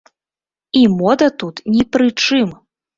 І мода тут ні пры чым!